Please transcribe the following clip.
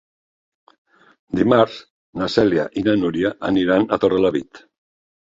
Dimarts na Cèlia i na Núria aniran a Torrelavit.